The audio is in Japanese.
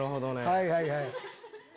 はいはいはい。